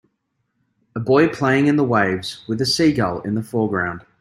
A boy playing in the waves, with a seagull in the foreground.